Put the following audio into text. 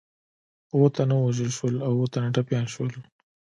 اووه تنه ووژل شول او اووه تنه ټپیان شول.